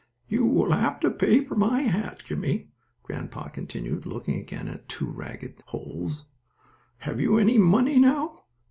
"You will have to pay for my hat, Jimmie," grandpa continued, looking again at two ragged holes. "Have you any money now?"